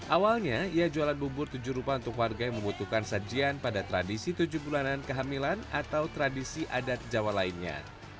awalnya ia jualan bubur tujuh rupa untuk warga yang membutuhkan sajian pada tradisi tujuh bulanan kehamilan atau tradisi adat jawa lainnya